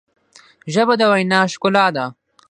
ژبه د وینا ښکلا ده.